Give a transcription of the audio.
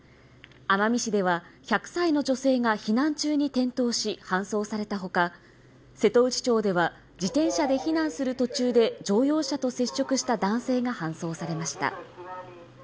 奄美市では１００歳の女性が避難中に転倒し、搬送されたほか瀬戸内町では自転車で避難する途中で乗用車と接触した男性が搬送されました。